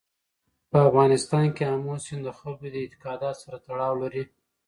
په افغانستان کې آمو سیند د خلکو د اعتقاداتو سره تړاو لري.